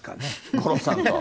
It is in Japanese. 五郎さんと。